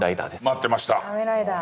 待ってました。